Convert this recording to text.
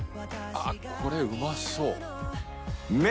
△これうまそう。